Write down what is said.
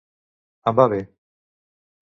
Em va bé.